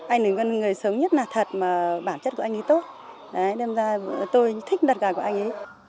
anh là người sống nhất là thật mà bản chất của anh ấy tốt đấy đem ra tôi thích đặt gà của anh ấy